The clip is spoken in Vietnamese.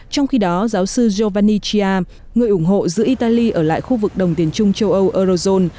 trong khi đó giáo sư yolvenichia người ủng hộ giữ italy ở lại khu vực đồng tiền chung châu âu eurozone